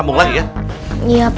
aduh sakit maaf